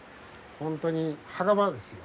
本当に墓場ですよ。